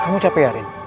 kamu capek ya arin